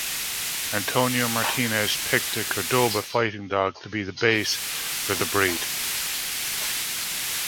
Antonio Martinez picked the Cordoba Fighting Dog to be the base for the breed.